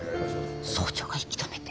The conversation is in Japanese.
総長が引き止めて。